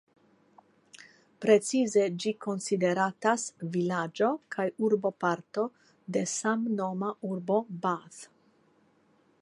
Precize ĝi konsideratas vilaĝo kaj urboparto de samnoma urbo "Bath".